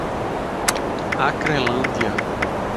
Acrelândia